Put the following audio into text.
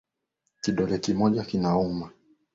Kidole kimoja kinauma.